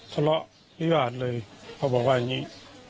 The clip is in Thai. ทะเลาะวิวาสเลยเขาบอกว่าอย่างนี้